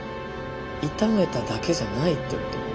炒めただけじゃないってこと？